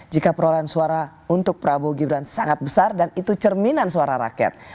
jika perolahan suara untuk prabowo gibran sangat besar dan itu cerminan suara rakyat